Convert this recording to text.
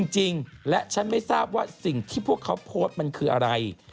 จริงและฉันไม่ทราบว่าสิ่งที่พวกเขาโพสต์มันคืออะไร